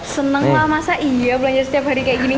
seneng lah masa iya belanja setiap hari kayak gini